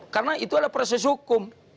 karena itu adalah proses hukum